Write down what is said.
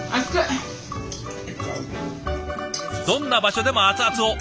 どんな場所でも熱々を。